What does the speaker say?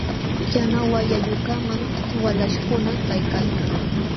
Yana wayayuqkamam walaśhkuna kaykalkan.